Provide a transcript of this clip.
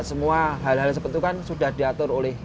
semua hal hal seperti itu kan sudah diatur oleh